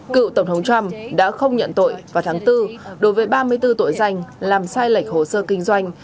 cựu tổng thống trump đã không nhận tội vào tháng bốn đối với ba mươi bốn tội danh làm sai lệch hồ sơ kinh doanh